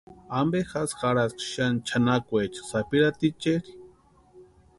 ¿Ampe jasï jarhaski xani chʼanakweecha sapirhaticheri?